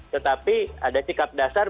tetapi ada sikap dasar